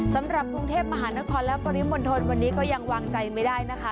สำหรับกรุงเทพมหานครและปริมณฑลวันนี้ก็ยังวางใจไม่ได้นะคะ